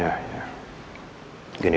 ada adik kamu catherine